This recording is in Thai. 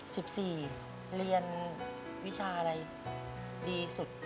สิบสี่เรียนวิชาอะไรดีสุด